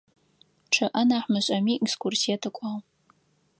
Чъыӏэ нахь мышӏэми, экскурсие тыкӏуагъ.